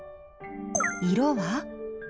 色は？